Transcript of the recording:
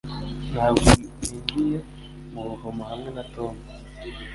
Ntabwo ninjiye mu buvumo hamwe na Tom